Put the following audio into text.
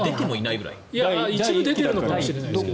一部出てるのかもしれないですけど。